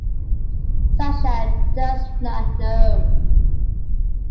Sasha does not know.